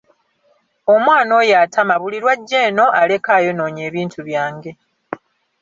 Omwana oyo atama buli lw'ajja eno aleka ayonoonye ebintu byange.